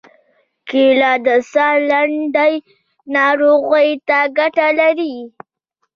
کېله د ساه لنډۍ ناروغۍ ته ګټه لري.